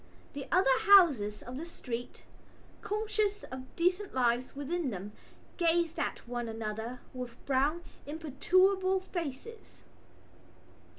The other houses of the street, conscious of decent lives within them, gazed at one another with brown imperturbable faces.